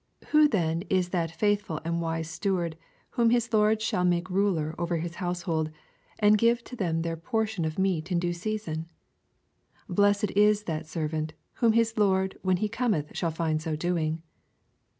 Who then 18 that fidthful and wise steward, whom hig lord shall make ruler over his household, to give i?tem their por tion of meat in due season ? 43 Blessed U that servant, whom his lord when he cometh shall find so doing.